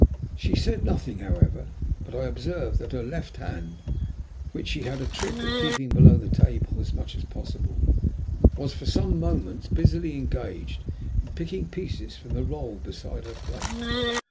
She said nothing, however, but I observed that her left hand, which she had a trick of keeping below the table as much as possible, was for some moments busily engaged in picking pieces from the roll beside her plate.